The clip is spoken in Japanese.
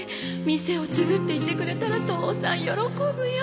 店を継ぐって言ってくれたら父さん喜ぶよ。